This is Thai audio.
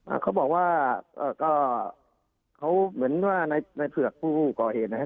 เขาบอกว่าเอ่อก็เขาเหมือนว่าในในเผือกผู้ก่อเหตุนะฮะ